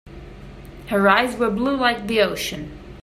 Her eyes were blue like the ocean.